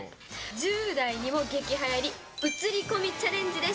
１０代にも激はやり、写り込みチャレンジです。